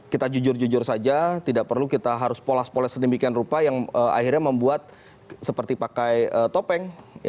kita jujur jujur saja tidak perlu kita harus poles poles sedemikian rupa yang akhirnya membuat seperti pakai topeng